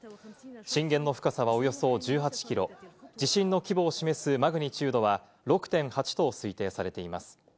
震源の深さはおよそ１８キロ、地震の規模を示すマグニチュードは６．８と推定されています。